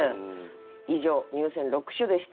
以上入選六首でした。